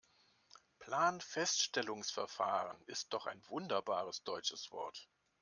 Planfeststellungsverfahren ist doch ein wunderbares deutsches Wort.